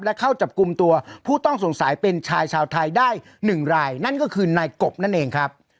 และเข้าจับกลุ่มตัวผู้ต้องสงสัยเป็นชายชาวไทยได้๑รายนั่นก็คือนายกบนั่นเองครับ